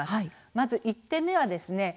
まず１点目はですね